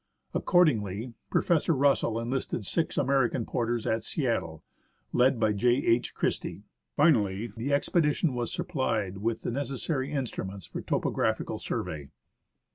Accordingly, Professor Russell enlisted six American porters at Seattle, led by J. H. Christie. Finally, the expedition was supplied with the necessary instruments for topographical survey.